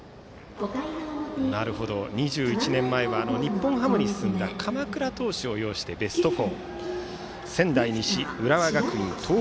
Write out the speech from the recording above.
なるほど、２１年前は日本ハムに進んだ鎌倉党首を擁してベスト４。